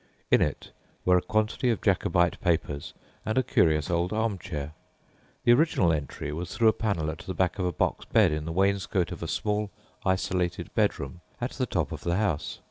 In it were a quantity of Jacobite papers and a curious old arm chair. The original entry was through a panel at the back of a "box bed" in the wainscot of a small, isolated bedroom at the top of the house.